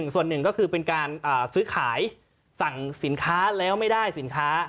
ส่วนหนึ่งก็คือเป็นการซื้อขายสั่งสินค้าแล้วไม่ได้สินค้า